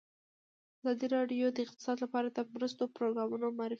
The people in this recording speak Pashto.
ازادي راډیو د اقتصاد لپاره د مرستو پروګرامونه معرفي کړي.